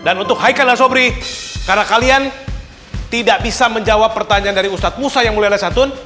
dan untuk hai kanak sobri karena kalian tidak bisa menjawab pertanyaan dari ustadzmusa yang mulia dan santun